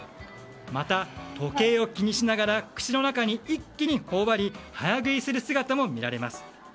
また、時計を気にしながら口の中に一気に頬張り早食いする姿も見られます。